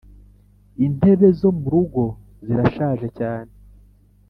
Intebe zo murugo zirashaje cyane